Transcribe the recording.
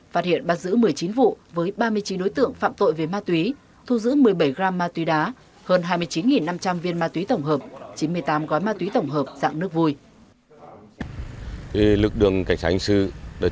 phát hiện bắt giữ một mươi chín vụ với ba mươi chín đối tượng phạm tội về ma túy thu giữ một mươi bảy gram ma túy đá